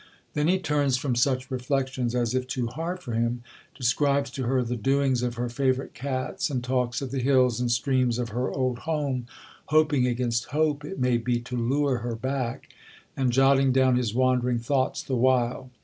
[Then he turns from such reflections as if too hard for him, describes to her the doings of her favourite cats, and talks of the hills and streams of her old home hoping against hope, it may be, to lure her back, and jotting down his wandering thoughts the while.